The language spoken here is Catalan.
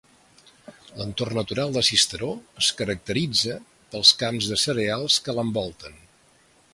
L'entorn natural de Sisteró es caracteritza pels camps de cereals que l'envolten.